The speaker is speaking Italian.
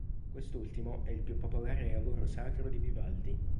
Quest'ultimo è il più popolare lavoro sacro di Vivaldi.